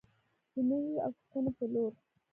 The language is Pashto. د نویو افقونو په لور.